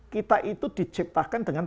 kita itu diciptakan dengan